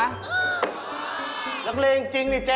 ลังเลจริงนี่เจ๊